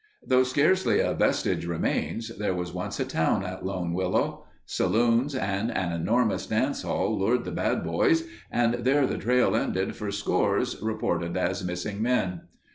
Though scarcely a vestige remains, there was once a town at Lone Willow. Saloons and an enormous dance hall lured the Bad Boys and there the trail ended for scores reported as missing men.